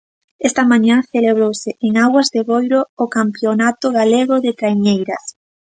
Esta mañá celebrouse en augas de Boiro o Campionato Galego de Traiñeiras.